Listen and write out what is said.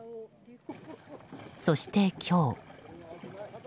そして今日。